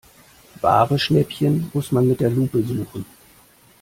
Wahre Schnäppchen muss man mit der Lupe suchen.